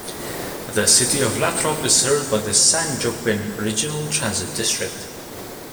The City of Lathrop is served by The San Joaquin Regional Transit District.